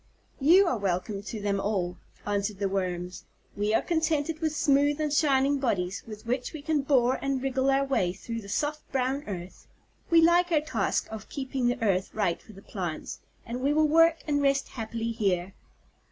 "You are welcome to them all," answered the Worms. "We are contented with smooth and shining bodies, with which we can bore and wriggle our way through the soft, brown earth. We like our task of keeping the earth right for the plants, and we will work and rest happily here."